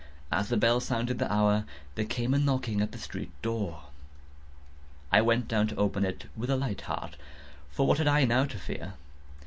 As the bell sounded the hour, there came a knocking at the street door. I went down to open it with a light heart,—for what had I now to fear?